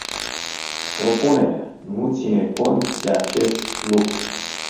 Propunerea nu ține cont de acest lucru.